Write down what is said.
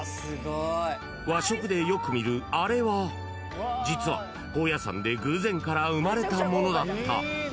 和食でよく見るあれは実は、高野山で偶然から生まれたものだった。